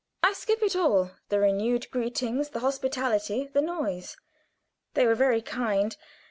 I skip it all, the renewed greetings, the hospitality, the noise. They were very kind.